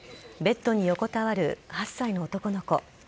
ベッドに横たわる８歳の男の子。